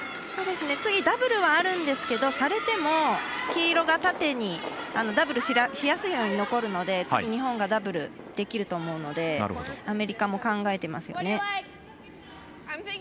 次ダブルはあるんですけどされても黄色が縦にダブルしやすいように残るので、次は日本がダブルできると思うのでアメリカも考えてますよね。